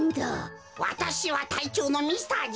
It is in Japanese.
わたしはたいちょうのミスターＧ。